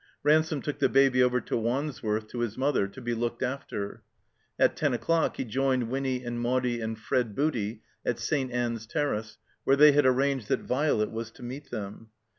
Ransome took the Baby over to Wandsworth, to his mother, to be looked after. At ten o'clock he joined Winny and Maudie and Fred Booty at St. Aim's Terrace, where they had arranged that Violet was to meet them.